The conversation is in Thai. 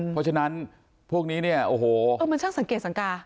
เพราะฉะนั้นพวกนี้เนี่ยโอ้โหมันช่างสังเกตสังกา